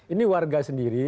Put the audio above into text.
ini warga sendiri